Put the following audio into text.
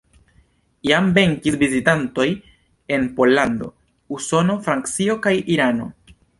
Jam venis vizitantoj el Pollando, Usono, Francio kaj Irano.